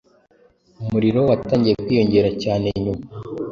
umuriro watangiye kwiyongera cyane nyuma